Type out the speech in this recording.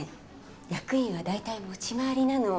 役員はだいたい持ち回りなの。